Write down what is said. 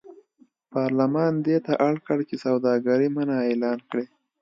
پارلمان دې ته اړ کړ چې سوداګري منع اعلان کړي.